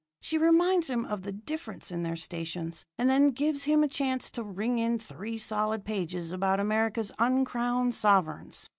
She reminds him of the difference in their stations, and that gives him a chance to ring in three solid pages about America's uncrowned sovereigns.